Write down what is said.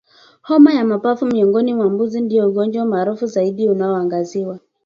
Homa ya mapafu miongoni mwa mbuzi ndio ugonjwa maarufu zaidi unaoangaziwa